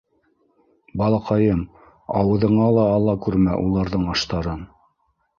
— Балаҡайым, ауыҙыңа ла ала күрмә уларҙың аштарын.